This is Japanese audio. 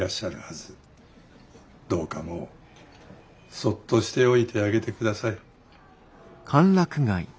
どうかもうそっとしておいてあげてください。